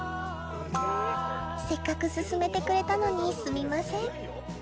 せっかくススメてくれたのにすみません